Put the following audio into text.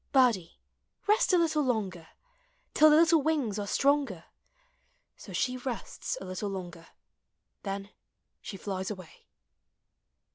Birdie, rest a little longer, Till the little wings are stronger. So she rests a little longer, Then she flies away.